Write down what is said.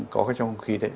có cái trong không khí đấy